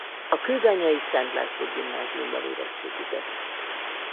A kőbányai Szent László Gimnáziumban érettségizett.